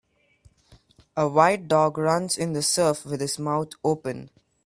A white dog runs in the surf with his mouth open